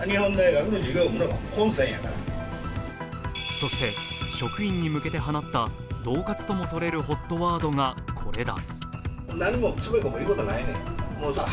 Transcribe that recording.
そして職員に向けて放ったどう喝ともとれるＨＯＴワードがこれだ。